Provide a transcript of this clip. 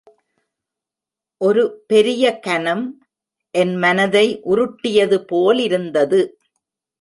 ஒரு பெரிய கனம் என் மனதை உருட்டியது போலிருந்தது.